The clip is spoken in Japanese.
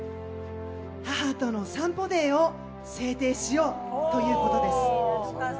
母との散歩デーを制定しようということです。